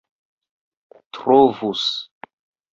trovus